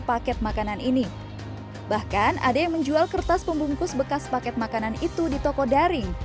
paket makanan ini bahkan ada yang menjual kertas pembungkus bekas paket makanan itu di toko daring